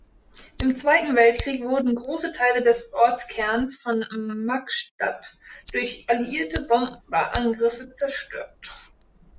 Im Zweiten Weltkrieg wurden große Teile des Ortskerns von Magstadt durch alliierte Bomberangriffe zerstört.